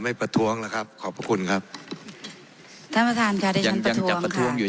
ประท้วงแล้วครับขอบพระคุณครับท่านประธานค่ะยังยังจะประท้วงอยู่